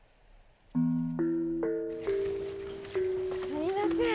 すみません。